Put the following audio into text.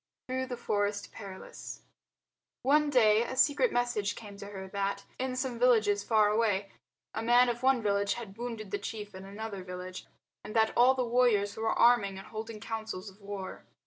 Through the Forest Perilous One day a secret message came to her that, in some villages far away, a man of one village had wounded the chief in another village and that all the warriors were arming and holding councils of war.